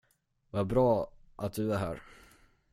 Vad bra att du är här.